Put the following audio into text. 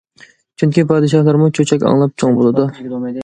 چۈنكى پادىشاھلارمۇ چۆچەك ئاڭلاپ چوڭ بولىدۇ.